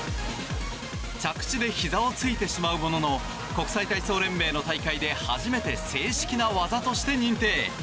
着地でひざをついてしまうものの国際体操連盟の大会で初めて正式な技として認定。